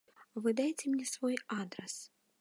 Вы дайце мне свой адрас.